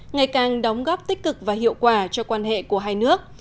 ngày càng đóng góp tích cực và hiệu quả cho quan hệ của hai nước